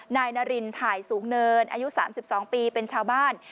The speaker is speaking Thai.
นายนารินถ่ายสูงเนินอายุ๓๒ปีเป็นชาวบ้าน